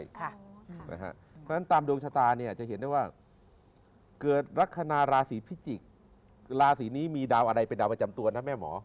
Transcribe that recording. เพราะฉะนั้นตามดวงชะตาเนี่ยจะเห็นได้ว่าเกิดลักษณะราศีพิจิกษ์ราศีนี้มีดาวอะไรเป็นดาวประจำตัวนะแม่หมอ